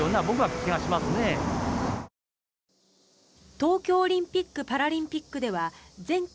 東京オリンピック・パラリンピックでは全国